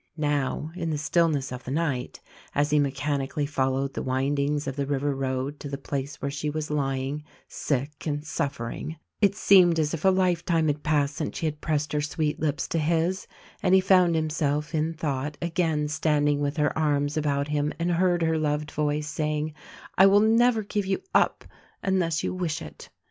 Now, in the stillness of the night, as he mechanically 127 128 THE RECORDING ANGEL followed the windings of the river road to the place where she was lying — sick and suffering — it seemed as if a life time had passed since she had pressed her sweet lips to his; and he found himself, in thought, again standing with her arms about him and heard her loved voice saying, "I will never give you up, unless you wish it